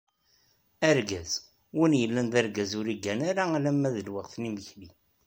Argaz: “Win yellan d argaz ur iggan ara alamma d lweqt n yimekli."